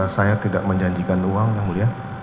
saya tidak menjanjikan uang yang mulia